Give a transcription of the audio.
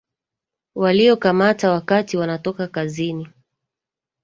waliokamata wakati wanatoka kazini